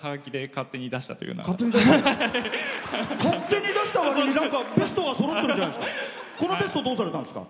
勝手に出したわりにベストはそろってるじゃないですか。